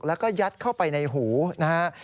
แล้วก็ยัดเข้าไปในหูนะฮะ